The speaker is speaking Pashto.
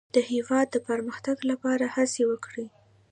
د هېواد د پرمختګ لپاره هڅې وکړئ.